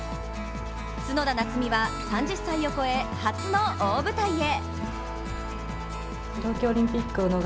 角田夏実は３０歳を超え、初の大舞台へ。